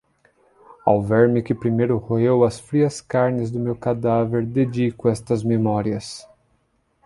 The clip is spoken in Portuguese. Ao verme que primeiro roeu as frias carnes do meu cadáver dedico estas Memórias